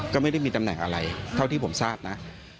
ก็ไม่ได้มีตำแหน่งอะไรเท่าที่ผมทราบนะ